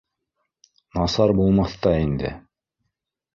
Насар булмаҫ та инде